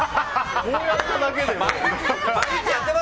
こうやっただけでもう。